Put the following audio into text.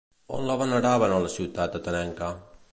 On la veneraven a la ciutat Atenenca?